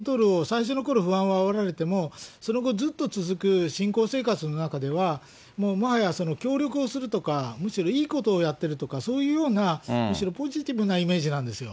入り口でも、マインドコントロールを最初のころ、不安をあおられても、その後、ずっと続く信仰生活の中では、もはや協力をするとか、むしろいいことをやってるとか、そういうようなむしろポジティブなイメージなんですよ。